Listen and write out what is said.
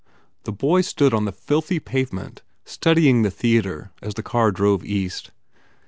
The boy stood on the filthy pavement studying the theatre as the car drove east.